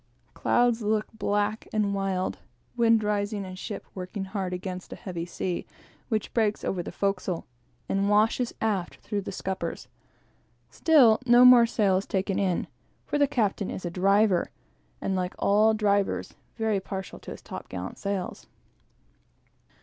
Clouds look black and wild; wind rising, and ship working hard against a heavy sea, which breaks over the forecastle, and washes aft through the scuppers. Still, no more sail is taken in, for the captain is a driver, and, like all drivers, very partial to his top gallant sails.